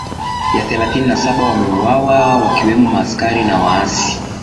i ya thelathini na saba wameuwawa wakiwemo maaskari na waasi